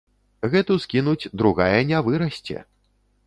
Гэту скінуць, другая не вырасце!